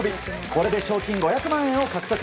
これで賞金５００万円を獲得。